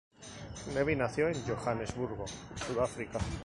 Levy nació en Johannesburgo, Sudáfrica.